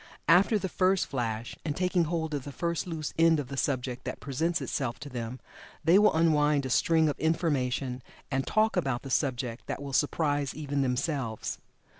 After the first flash, and taking hold of the first loose end of the subject that presents itself to them, they will unwind a string of information and "talk" about the subject that will surprise even themselves.